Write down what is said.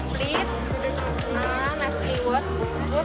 nasi liwet gudeg sama es teh dimulai